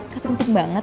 ga penting banget